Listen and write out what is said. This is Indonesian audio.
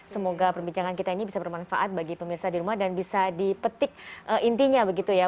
semoga perbincangan kita ini bisa bermanfaat bagi pemirsa di rumah dan bisa dipetik intinya begitu ya